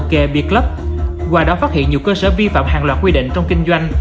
karaoke b club qua đó phát hiện nhiều cơ sở vi phạm hàng loạt quy định trong kinh doanh